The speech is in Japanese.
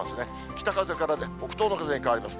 北風から北東の風に変わります。